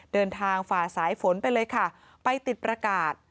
ฝ่าสายฝนไปเลยค่ะไปติดประกาศ